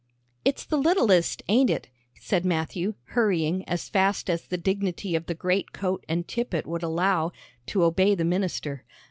"It's the littlest, ain't it?" said Matthew, hurrying, as fast as the dignity of the great coat and tippet would allow, to obey the minister.